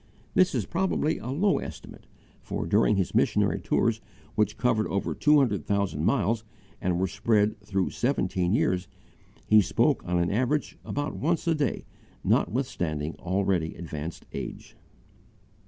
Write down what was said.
This is probably a low estimate, for during his missionary tours, which covered over two hundred thousand miles and were spread through' seventeen years, he spoke on an average about once a day notwithstanding already advanced age.